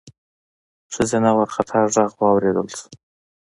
ښځينه وارخطا غږ واورېدل شو: